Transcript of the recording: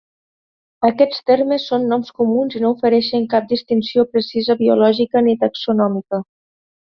Aquests termes són noms comuns i no ofereixen cap distinció precisa biològica ni taxonòmica.